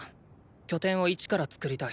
拠点を一から作りたい。